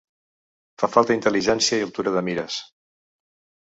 Fa falta intel·ligència i altura de mires.